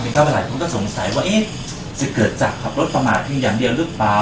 ก็คิดว่าจะเกิดจากขับรถประหมาติอย่างเดียวหรือเปล่า